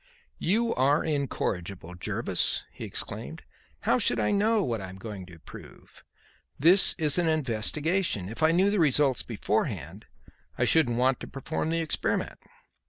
"You are incorrigible, Jervis," he exclaimed. "How should I know what I am going to prove? This is an investigation. If I knew the result beforehand, I shouldn't want to perform the experiment."